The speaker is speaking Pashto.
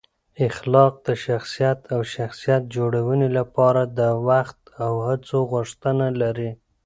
اخلاق د شخصیت او شخصیت جوړونې لپاره د وخت او هڅو غوښتنه لري.